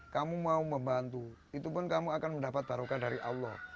kamu mau membantu itu pun kamu akan mendapat barokah dari allah